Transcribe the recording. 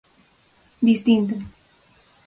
Distinto.